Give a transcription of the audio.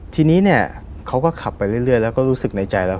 ทีนี้เนี่ยเขาก็ขับไปเรื่อยแล้วก็รู้สึกในใจแล้ว